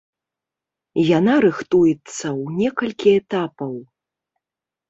Яна рыхтуецца ў некалькі этапаў.